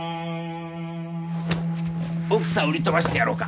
奥さん売り飛ばしてやろうか？